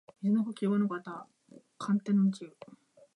水の呼吸伍ノ型干天の慈雨（ごのかたかんてんのじう）